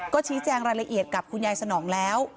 ก็ชี้แจงรายละเอียดกับคุณยายสนองแล้ว